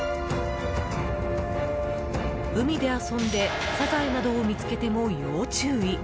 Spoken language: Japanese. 海で遊んでサザエなどを見つけても要注意。